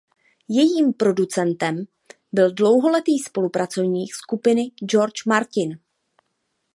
Jejím producentem byl dlouholetý spolupracovník skupiny George Martin.